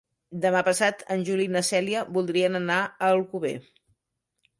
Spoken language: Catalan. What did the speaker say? Demà passat en Juli i na Cèlia voldrien anar a Alcover.